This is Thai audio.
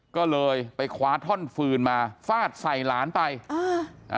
ก็เลยไปคว้าท่อนฟืนมาฟาดใส่หลานไปอ่าอ่า